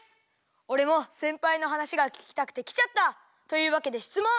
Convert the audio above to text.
おれもせんぱいのはなしがききたくてきちゃった！というわけでしつもん！